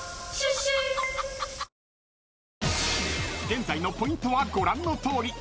［現在のポイントはご覧のとおり］